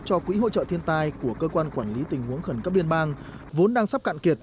cho quỹ hỗ trợ thiên tai của cơ quan quản lý tình huống khẩn cấp liên bang vốn đang sắp cạn kiệt